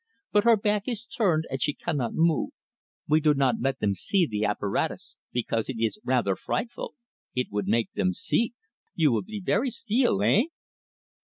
But her back ees turned and she cannot move. We do not let them see the apparatus, because eet ees rather frightful, eet would make them seek. You will be very steel, eh?"